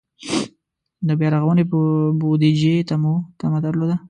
د بیا رغونې بودجې ته مو تمه درلوده.